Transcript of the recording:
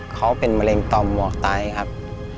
เขาเป็นมะเร็งต่อหมอกไตครับ